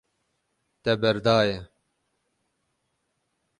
Te berdaye.